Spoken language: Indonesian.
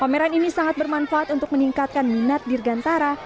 pameran ini sangat bermanfaat untuk meningkatkan minat dirgantara